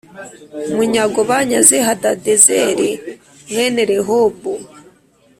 Munyago banyaze hadadezeri mwene rehobu